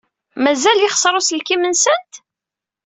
Mazal yexṣer uselkim-nsent?